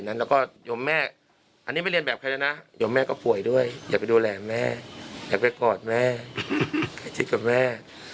อันนี้ไม่เรียนแบบใครแล้วนะโยมแม่ก็ป่วยด้วยอย่าไปดูแลแม่อย่าไปกอดแม่ใกล้ชิดกับแม่